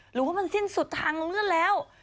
หรือว่ามันสิ้นสุดทางลงเลื่อนแล้ว